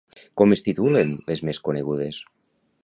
Com es titulen les més conegudes?